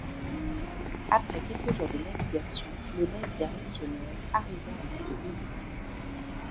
Après quelques jours de navigation, le navire missionnaire arriva en vue de l'île.